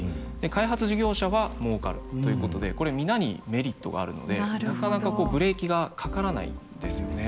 開発事業者はもうかるということでこれ皆にメリットがあるのでなかなかブレーキがかからないんですよね。